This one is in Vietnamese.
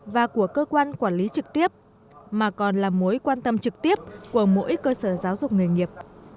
và của cơ quan quản lý trực tiếp mà còn là mối quan tâm trực tiếp của mỗi cơ sở giáo dục nghề nghiệp